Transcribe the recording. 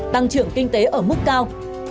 tăng trưởng kinh tế ở mức cao